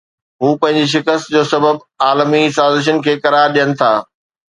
هو پنهنجي شڪست جو سبب عالمي سازشن کي قرار ڏين ٿا